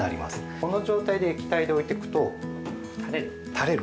この状態で液体で置いておくと垂れる。